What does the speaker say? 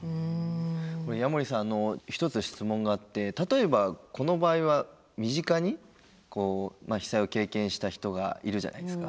矢守さんあの１つ質問があって例えばこの場合は身近に被災を経験した人がいるじゃないですか。